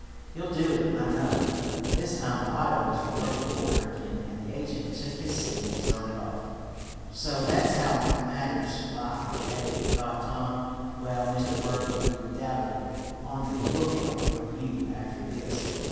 He'll do it, I know." By this time the auto was in working order again, and the agent took his seat and started off. "So that's how matters lie, eh?" thought Tom. "Well, Mr. Berg, we'll be doubly on the lookout for you after this.